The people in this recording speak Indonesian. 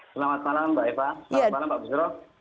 selamat malam mbak eva selamat malam pak busro